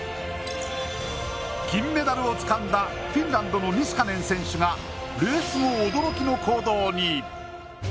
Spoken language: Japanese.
金メダルをつかんだフィンランドのニスカネン選手がレース後、驚きの行動に。